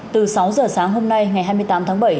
từ sáu giờ sáng hôm nay ngày hai mươi tám tháng bảy